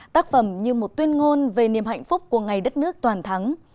tác phẩm như một tuyên ngôn về niềm hạnh phúc của ngày đất nước toàn thắng